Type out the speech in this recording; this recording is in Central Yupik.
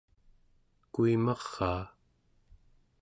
kuimaraa